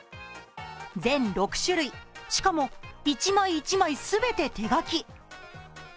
全６種類、しかも１枚１枚全て手書き。